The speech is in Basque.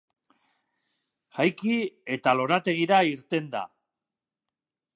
Jaiki, eta lorategira irten da.